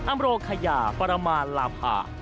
อำโลขยาปรหมานลำห่า